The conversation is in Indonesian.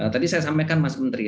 tadi saya sampaikan mas menteri